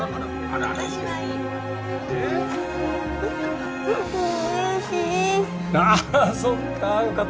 あっそっか。